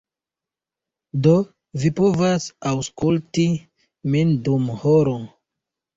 Do, vi povas aŭskulti min dum horo.